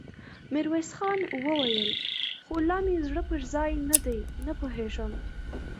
ميرويس خان وويل: خو لا مې زړه پر ځای نه دی، نه پوهېږم!